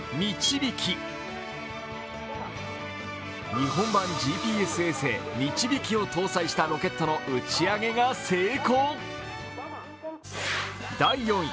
日本版ＧＰＳ衛星「みちびき」を搭載したロケットの打ち上げが成功。